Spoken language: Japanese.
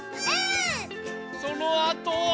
そのあとは。